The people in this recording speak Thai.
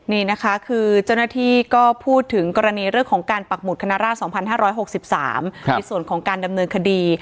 นี่นะคะคือเจ้าหน้าที่ก็พูดถึงกรณีเรื่องของการปักหุดคณะราช๒๕๖๓ในส่วนของการดำเนินคดี